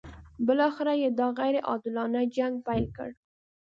بالاخره یې دا غیر عادلانه جنګ پیل کړ.